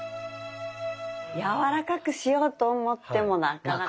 柔らかくしようと思ってもなかなか。